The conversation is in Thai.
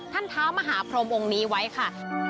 เท้ามหาพรมองค์นี้ไว้ค่ะ